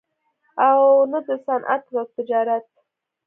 او نه دَصنعت او تجارت